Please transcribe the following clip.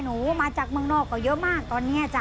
มาจากเมืองนอกก็เยอะมากตอนนี้จ้ะ